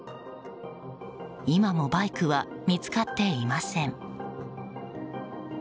今もバイクは見つかっていません。